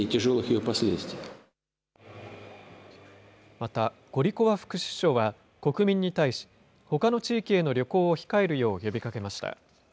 また、ゴリコワ副首相は国民に対し、ほかの地域への旅行を控えるよう呼びかけました。